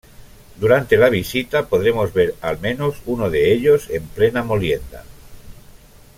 Durante la visita podremos ver, al menos uno de ellos en plena molienda.